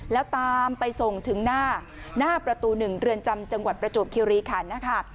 แล้วตามไปส่งถึงหน้าหน้าประตู๑เรือนจำจังหวัดประจวบคิริขันนะคะ